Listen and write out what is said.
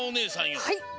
はい！